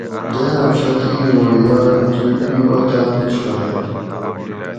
دویام شرط ایں نوں یا تو ایں اوطاۤن چھورئ